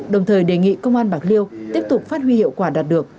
đồng thời đề nghị công an bạc liêu tiếp tục phát huy hiệu quả đạt được